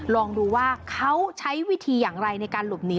ลองดูว่าเขาใช้วิธีอย่างไรในการหลบหนี